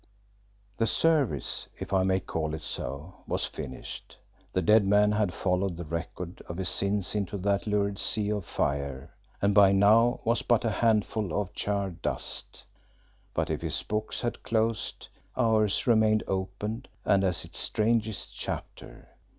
The service, if I may call it so, was finished; the dead man had followed the record of his sins into that lurid sea of fire, and by now was but a handful of charred dust. But if his book had closed, ours remained open and at its strangest chapter.